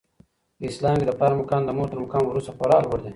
په اسلام کي د پلار مقام د مور تر مقام وروسته خورا لوړ دی.